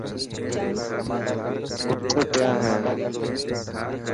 اَٺ ڀيا هي.